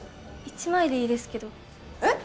１枚でいいですけどえっ？